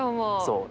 そう。